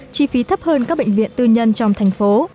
chi phí thấp hơn các bệnh viện tư nhân trong thành phố